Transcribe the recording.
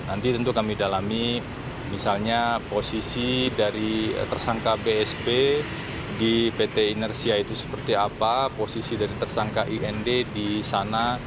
nanti tentu kami dalami misalnya posisi dari tersangka bsp di pt inersia itu seperti apa posisi dari tersangka ind di sana